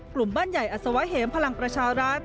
กลุ่มบ้านใหญ่อัศวะเหมพลังประชารัฐ